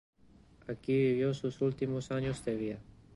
Aquí vivió sus últimos años de vida.